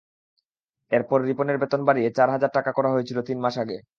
এরপর রিপনের বেতন বাড়িয়ে চার হাজার টাকা করা হয়েছিল তিন মাস আগে।